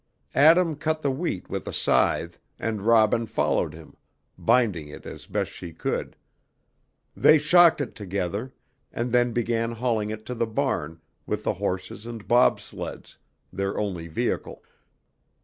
Adam cut the wheat with a scythe, and Robin followed him, binding it as best she could. They shocked it together, and then began hauling it to the barn with the horses and bob sleds, their only vehicle.